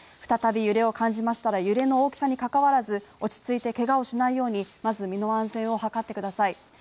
再び揺れを感じましたら揺れの大きさに関わらず、落ち着いてケガをしないように、まず身の安全を図ってください。